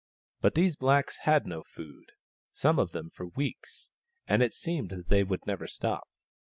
But these blacks had had no food, some of them for weeks, and it seemed that they would never stop.